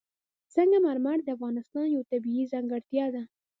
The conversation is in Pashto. سنگ مرمر د افغانستان یوه طبیعي ځانګړتیا ده.